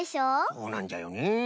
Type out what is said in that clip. そうなんじゃよね。